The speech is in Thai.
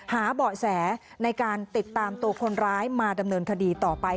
หาเบาะแสในการติดตามตัวคนร้ายมาดำเนินคดีต่อไป